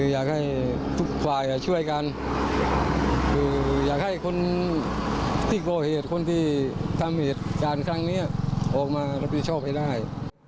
อยากให้ทุกฝ่ายช่วยกันอยากให้คนที่ทำการครั้งนี้ออกมารับผิดชอบให้ได้